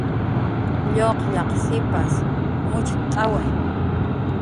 Lluqllaq sipas mucht'awi